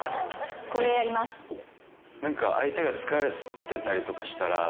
「これやります」っていう。